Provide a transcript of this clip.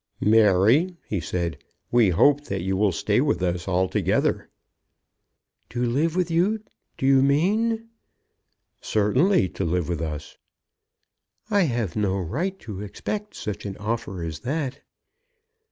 "Mary," he said, "we hope that you will stay with us altogether." "To live with you, do you mean?" "Certainly to live with us." "I have no right to expect such an offer as that."